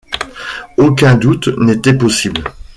Aucun doute n’était possible.